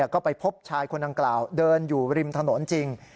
ก็ไปพบชายคนดังกล่าวเดินอยู่ริมถนนจริง